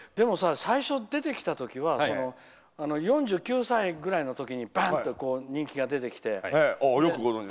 最初出てきたときは４９歳ぐらいのときにバーッと人気が出てきて。